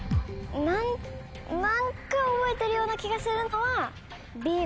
何か覚えてるような気がするのは。